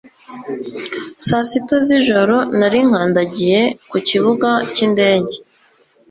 Sasita zijoro narinkandagiye kukibuga cy'indege